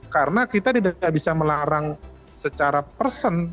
karena kita tidak bisa melarang secara person